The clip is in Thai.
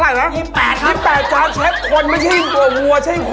๒๐อะไรนะ๒๘ครับ๒๘จานเชฟคนไม่ใช่หัวหัวใช่หัว